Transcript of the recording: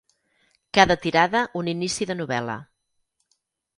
Cada tirada un inici de novel.la.